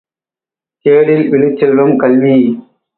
கேடில் விழுச்செல்வம் கல்வி.